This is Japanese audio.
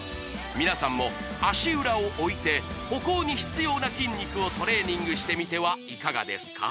皆さんも足裏を置いて歩行に必要な筋肉をトレーニングしてみてはいかがですか